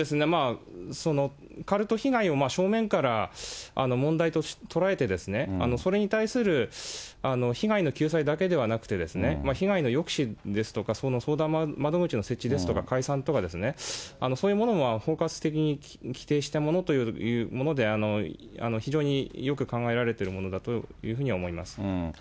カルト被害を正面から問題と捉えて、それに対する被害の救済だけではなくて、被害の抑止ですとか、相談窓口の設置ですとか、解散とか、そういうものも包括的に規定したものというもので、非常によく考えられてるものだというふうには思います。